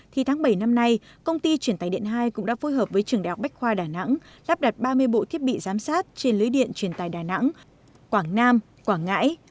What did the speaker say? thì tháng bảy năm nay công ty truyền tài điện hai cũng đã phối hợp với trường đại học bách khoa đà nẵng lắp đặt ba mươi bộ thiết bị giám sát trên lưới điện truyền tài đà nẵng quảng nam quảng ngãi